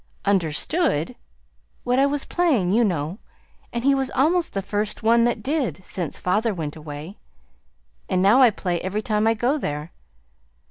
"UNDERSTOOD!" "What I was playing, you know. And he was almost the first one that did since father went away. And now I play every time I go there.